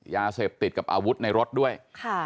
ยาเสพติดกับอาวุธในรถด้วย